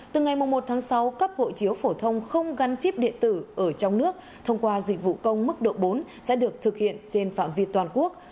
từ ngày một tháng sáu cấp hộ chiếu phổ thông không gắn chip điện tử ở trong nước thông qua dịch vụ công mức độ bốn sẽ được thực hiện trên phạm vi toàn quốc